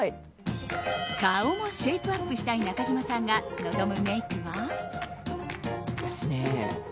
顔もシェイプアップしたい中島さんが望むメイクは。